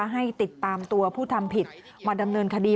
ให้ติดตามตัวผู้ทำผิดมาดำเนินคดี